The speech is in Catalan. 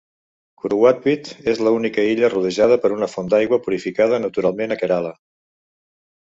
Kuruvadweep és l"única illa rodejada per una font d"aigua purificada naturalment a Kerala.